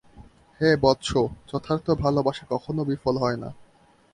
হে বৎস, যথার্থ ভালবাসা কখনও বিফল হয় না।